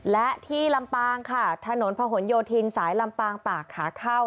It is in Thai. และที่ลำปางค่ะถนนพะหนโยธินสายลำปางปากขาเข้า